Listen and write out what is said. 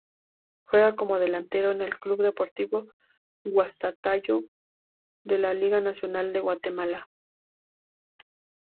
Juega como delantero en el club Deportivo Guastatoya de la Liga Nacional de Guatemala.